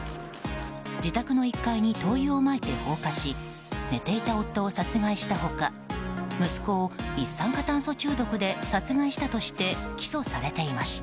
自宅の１階に灯油をまいて殺害し寝ていた夫を殺害した他息子を一酸化炭素中毒で殺害したとして起訴されていました。